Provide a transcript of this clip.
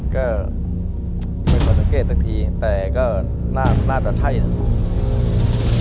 ก็ไม่ค่อยสังเกตสักทีแต่ก็น่าจะใช่นะครับ